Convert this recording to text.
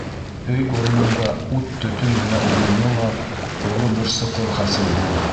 Өй урынында ут-төтөн генә уйнаны ла оло бер соҡор хасил булды.